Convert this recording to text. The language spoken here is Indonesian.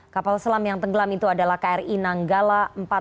kapal selam yang tenggelam itu adalah kri nanggala empat ratus dua